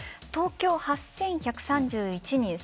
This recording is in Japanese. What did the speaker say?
東京、８１３１人。